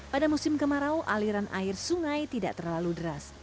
pada musim kemarau aliran air sungai tidak terlalu deras